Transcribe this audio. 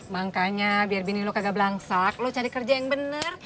makanya biar bini lo kagak belang sak lo cari kerja yang bener